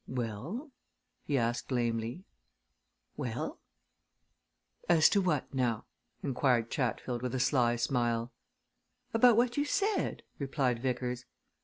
"Well?" he asked lamely. "Well?" "As to what, now?" inquired Chatfield with a sly smile. "About what you said," replied Vickers.